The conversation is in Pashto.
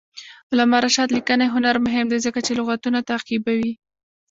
د علامه رشاد لیکنی هنر مهم دی ځکه چې لغتونه تعقیبوي.